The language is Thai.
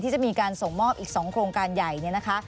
จะมีการส่งมอบอีก๒โครงการใหญ่เนี่ยนะคะ